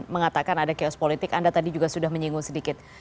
mengatakan ada chaos politik anda tadi juga sudah menyinggung sedikit